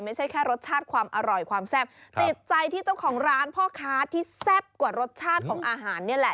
ไม่ใช่แค่รสชาติความอร่อยความแซ่บติดใจที่เจ้าของร้านพ่อค้าที่แซ่บกว่ารสชาติของอาหารนี่แหละ